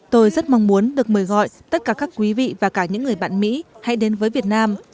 tôi rất mong muốn được mời gọi tất cả các quý vị và cả những người bạn mỹ hãy đến với việt nam